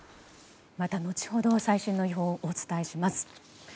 また、後ほど最新の予報をお伝えします。